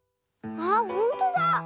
あっほんとだ！